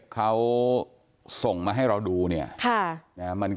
ก็กลายเป็นว่าติดต่อพี่น้องคู่นี้ไม่ได้เลยค่ะ